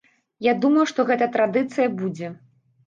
Я думаю, што гэта традыцыя будзе.